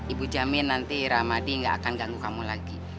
ibu jamin nanti rahmadi nggak akan ganggu kamu lagi